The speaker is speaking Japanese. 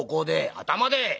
「頭で」。